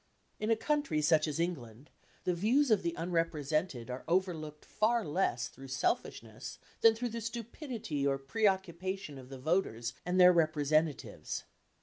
In a country such as England the views of the unrepresented are overlooked far less through selfishness than through the stupidity or preoccupation of the voters and their representatives.